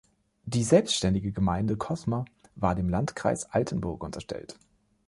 Die selbstständige Gemeinde Kosma war dem Landkreis Altenburg unterstellt.